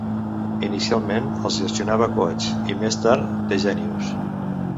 Inicialment els gestionava Coach, i més tard The Genius.